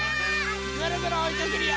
ぐるぐるおいかけるよ！